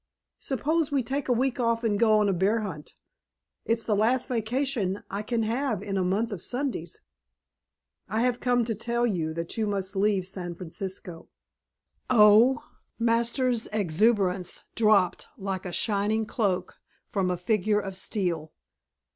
Suppose we take a week off and go on a bear hunt? It's the last vacation I can have in a month of Sundays." "I have come to tell you that you must leave San Francisco." "Oh!" Masters' exuberance dropped like a shining cloak from a figure of steel.